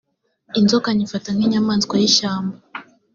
inzoka nyifata nk’inyamaswa y’ishyamba